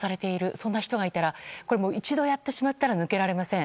そんな人がいたら一度やってしまったら抜けられません。